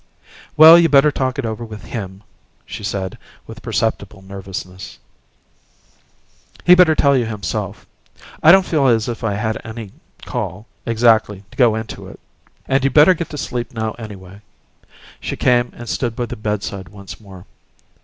"Well, you better talk it over with HIM," she said, with perceptible nervousness. "He better tell you himself. I don't feel as if I had any call, exactly, to go into it; and you better get to sleep now, anyway." She came and stood by the bedside once more.